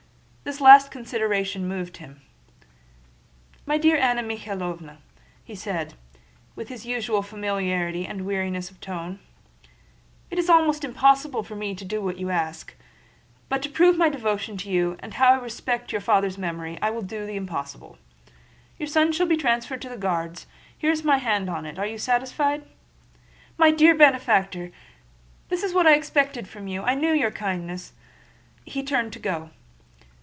This last consideration moved him. "My dear Anna Mikháylovna," said he with his usual familiarity and weariness of tone, "it is almost impossible for me to do what you ask; but to prove my devotion to you and how I respect your father's memory, I will do the impossible—your son shall be transferred to the Guards. Here is my hand on it. Are you satisfied?" "My dear benefactor! This is what I expected from you—I knew your kindness!" He turned to go.